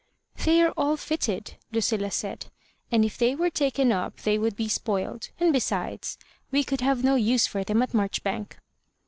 " They are all fitted," Lucilla said, " and if they were taken up they would be spoiled ; and besides, we could have no use for them at Marcbbank."